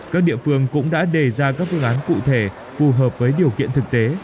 các địa phương cũng đã đề ra các phương án cụ thể phù hợp với điều kiện thực tế